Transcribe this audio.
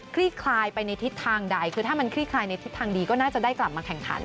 ลี่คลายไปในทิศทางใดคือถ้ามันคลี่คลายในทิศทางดีก็น่าจะได้กลับมาแข่งขัน